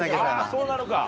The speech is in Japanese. そうなのか。